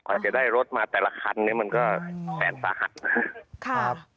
กว่าจะได้รถมาแต่ละคันมันก็แสดงสาหัส